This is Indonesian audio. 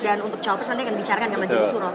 dan untuk capres nanti akan dibicarakan ke majelis suro